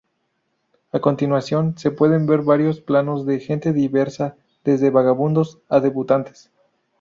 A continuación se pueden ver varios planos de gente diversa, desde vagabundos a debutantes.